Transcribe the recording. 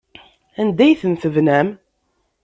Anda ay ten-tebnam?